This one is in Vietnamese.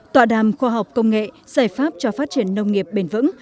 tọa đàm khoa học công nghệ giải pháp cho phát triển nông nghiệp bền vững